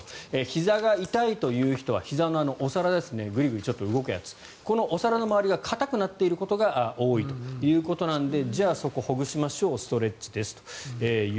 ひざが痛いという人はひざのお皿グリグリちょっと動くやつこのお皿の周りが硬くなっていることが多いということなのでじゃあ、そこをほぐしましょうストレッチですと。